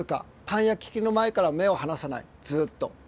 パン焼き器の前から目を離さないずっと。